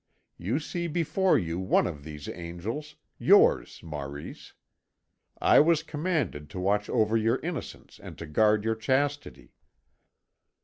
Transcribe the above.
You see before you one of these angels, yours, Maurice. I was commanded to watch over your innocence and to guard your chastity."